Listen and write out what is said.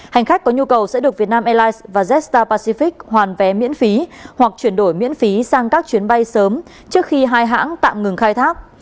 hành khách có nhu cầu sẽ được việt nam airlines và jetstar pacific hoàn vé miễn phí hoặc chuyển đổi miễn phí sang các chuyến bay sớm trước khi hai hãng tạm ngừng khai thác